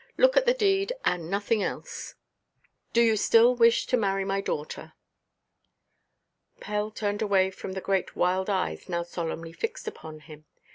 Look at the deed and nothing else. Do you still wish to marry my daughter?" Pell turned away from the great wild eyes now solemnly fixed upon him.